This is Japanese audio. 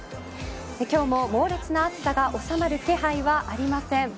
今日も、猛烈な暑さが収まる気配はありません。